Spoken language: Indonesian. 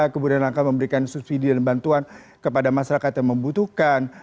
kemudian langkah memberikan subsidi dan bantuan kepada masyarakat yang membutuhkan